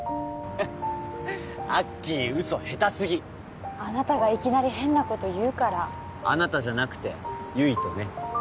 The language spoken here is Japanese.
アッキー嘘下手すぎあなたがいきなり変なこと言うから「あなた」じゃなくて唯斗ね